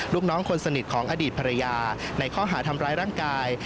ลูกน้องคนสนิทของอดีตภรรยาในข้อหาทำร้ายร่างกาย